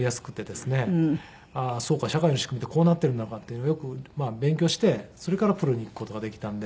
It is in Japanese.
そうか社会の仕組みってこうなっているのかっていうのをよく勉強してそれからプロに行く事ができたんで。